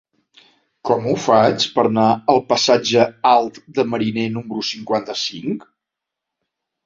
Com ho faig per anar al passatge Alt de Mariner número cinquanta-cinc?